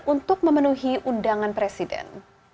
untuk memenuhi undangan presiden